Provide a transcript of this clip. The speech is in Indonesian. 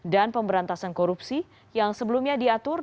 dan pemberantasan korupsi yang sebelumnya diatur